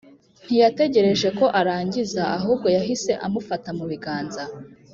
ntiyategereje ko arangiza ahubwo yahise amufata mubiganza